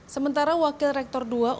sementara wakil rektor ii universitas